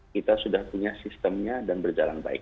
kita sudah punya sistemnya dan berjalan baik